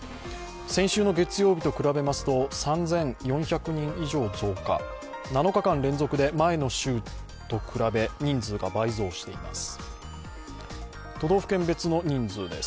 先週の月曜日と比べますと３４００人以上増加、７日間連続で前の週と比べ人数が倍増しています。